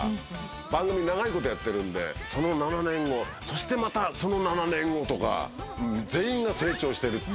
番組は長いことやっているので、７年後、またその７年後とか全員が成長している。